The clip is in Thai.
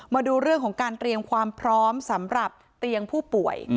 มาดูเรื่องของการเตรียมความพร้อมสำหรับเตียงผู้ป่วย